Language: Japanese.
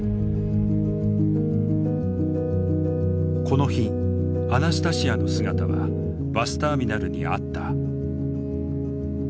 この日アナスタシヤの姿はバスターミナルにあった。